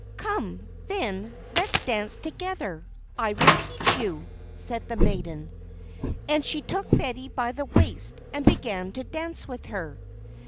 "Come, then, let us dance together. I will teach you," said the maiden. And she took Betty by the waist, and began to dance with her.